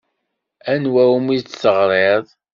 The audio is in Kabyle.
Anwa umi d-teɣrid?